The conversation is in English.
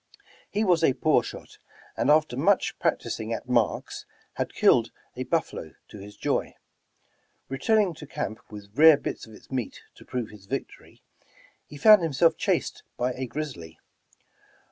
He was a poor shot, and after much practicing at marks, had killed a buffalo, to his joy. Returning to camp with rare bits of its meat to prove his victor}^, he found himself chased by a grizzly.